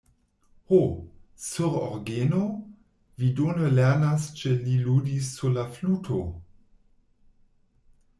Ho, sur orgeno? Vi do ne lernas ĉe li ludis sur la fluto?